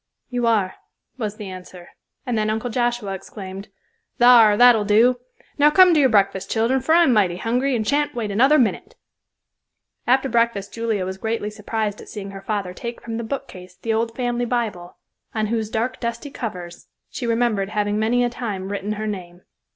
"You are," was the answer, and then Uncle Joshua exclaimed, "thar, that'll do. Now come to your breakfast, children, for I'm mighty hungry, and shan't wait another minute." After breakfast Julia was greatly surprised at seeing her father take from the bookcase the old family Bible, on whose dark dusty covers she remembered having many a time written her name.